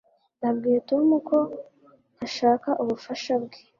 Nabwiye Tom ko ntashaka ubufasha bwe